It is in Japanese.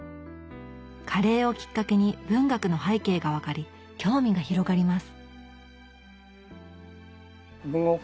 カレーをきっかけに文学の背景が分かり興味が広がります。